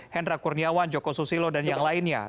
hendra kurniawan joko susilo dan yang lainnya